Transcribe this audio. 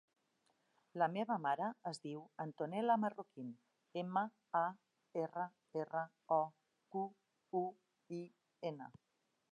La meva mare es diu Antonella Marroquin: ema, a, erra, erra, o, cu, u, i, ena.